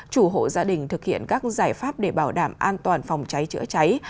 chủ hộ gia đình thực hiện các giải pháp để bảo đảm an toàn phòng cháy chữa cháy